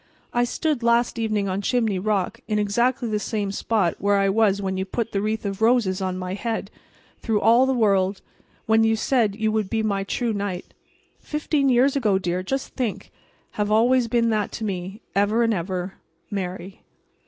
… I stood last evening on Chimney Rock in exactly the same spot where I was when you put the wreath of roses on my head … through all the world … when you said you would be my true knight … fifteen years ago, dear, just think! … have always been that to me … ever and ever, Mary.